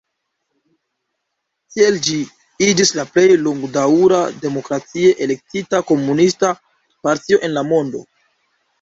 Tiel ĝi iĝis la plej longdaŭra demokratie elektita komunista partio en la mondo.